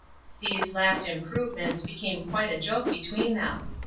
These "last improvements" became quite a joke between them.